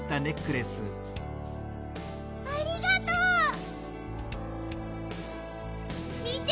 ありがとう！みて！